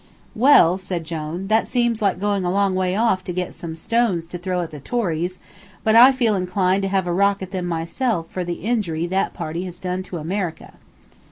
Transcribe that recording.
"Well," said Jone, "that seems like going a long way off to get some stones to throw at the Tories, but I feel inclined to heave a rock at them myself for the injury that party has done to America."